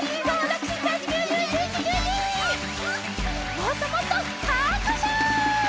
もっともっとはくしゅ。